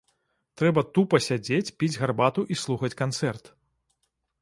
Трэба тупа сядзець, піць гарбату і слухаць канцэрт.